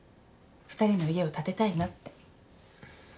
２人の家を建てたいなって。